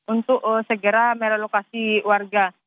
untuk segera merelokasi warga